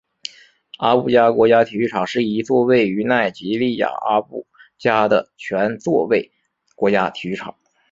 阿布加国家体育场是一座位于奈及利亚阿布加的全座位国家体育场。